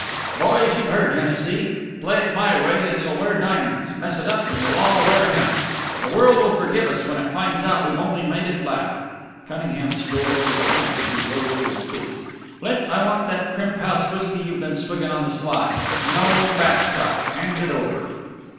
"Boys, you've heard Hennessy. Play it my way and you'll wear diamonds; mess it up and you'll all wear hemp. The world will forgive us when it finds out we've only made it laugh." Cunningham strolled over to Flint, who rose to his feet. "Flint, I want that crimp house whisky you've been swigging on the sly. No back talk! Hand it over!"